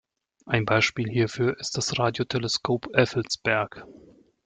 Ein Beispiel hierfür ist das Radioteleskop Effelsberg.